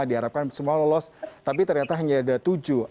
diharapkan semua lolos tapi ternyata hanya ada tujuh